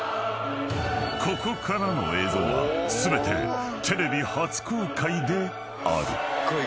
［ここからの映像は全てテレビ初公開である］